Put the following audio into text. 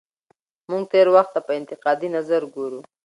موږ تېر وخت ته په انتقادي نظر ګورو.